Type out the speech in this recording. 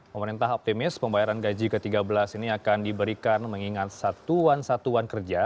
pemerintah optimis pembayaran gaji ke tiga belas ini akan diberikan mengingat satuan satuan kerja